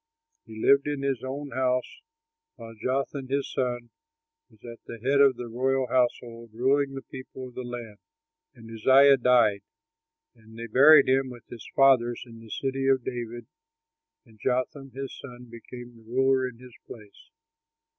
He lived in his own house, while Jotham, his son, was at the head of the royal household, ruling the people of the land. And Uzziah died; and they buried him with his fathers in the city of David, and Jotham, his son, became ruler in his place.